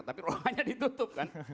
tapi ruangannya ditutupkan